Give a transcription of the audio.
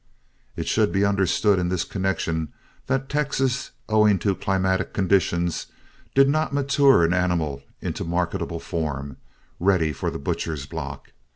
It should be understood in this connection that Texas, owing to climatic conditions, did not mature an animal into marketable form, ready for the butcher's block.